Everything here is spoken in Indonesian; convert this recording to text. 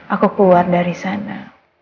aku keluar dari sana